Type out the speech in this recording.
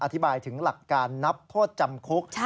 อธิบายถึงหลักการนับโทษจำคุก